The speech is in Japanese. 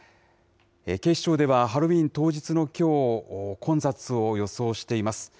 警視庁では、ハロウィーン当日のきょう、混雑を予想しています。